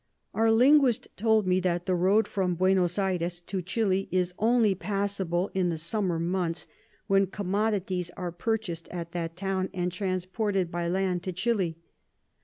Our Linguist told me that the Road from Buenos Ayres to Chili is only passable in the Summer Months, when Commodities are purchas'd at that Town, and transported by Land to Chili.